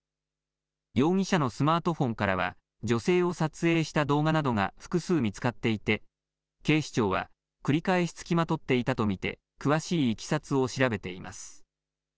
容疑者のスマートフォンからは女性を撮影した動画などが複数見つかっていて警視庁は繰り返しつきまとっていたと見て詳しいいきさつを調べています。